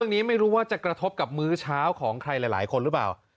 ไม่รู้ว่าจะกระทบกับมื้อเช้าของใครหลายคนหรือเปล่า